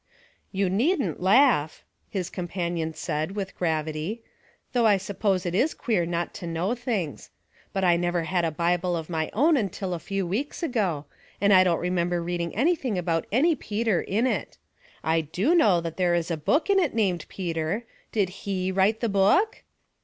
" You needn't laugh," his companion said, with gravity. '' Though I suppose it is queer not to know things. But I never had a Bible of my own until a few weeks ago, and I don't remember reading anything about any Peter in it. I do know that there is a book in it named Peter; did he write the book